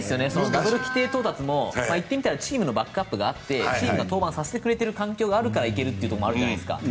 ダブル規定到達も言ってみればチームのバックアップがあってチームが登板させてくれる環境があるからいけるところもあるじゃないですか。